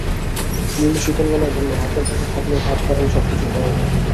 নীলু শীতল গলায় বলল, হাতের কাছে থাকলেই হাত বাড়ালে সব কিছু পাওয়া না।